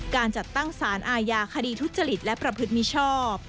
การจัดตั้งสารอาญาคดีทุจริตและประพฤติมิชชอบ